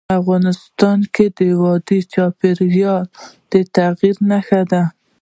افغانستان کې وادي د چاپېریال د تغیر نښه ده.